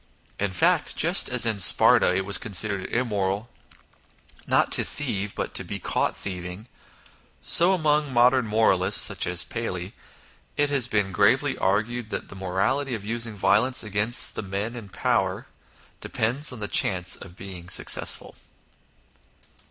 In fact, just as in Sparta it was considered immoral, not to thieve, but to be caught thieving, so among modern moralists (such as Paley) it has been gravely argued that the morality of using violence against the men in power depends on the chance of being suc cessful.